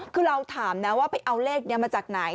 คือเราถามนะว่าไปเอาเลขนี้มาจากไหน